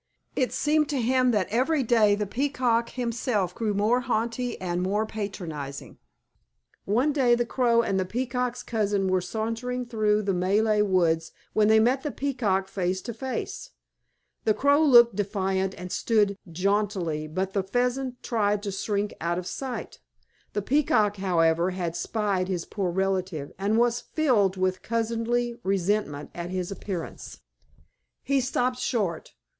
It seemed to him that every day the Peacock himself grew more haughty and more patronizing. One day the Crow and the Peacock's cousin were sauntering through the Malay woods when they met the Peacock face to face. The Crow looked defiant and stood jauntily; but the Pheasant tried to shrink out of sight. The Peacock, however, had spied his poor relative, and was filled with cousinly resentment at his appearance. He stopped short.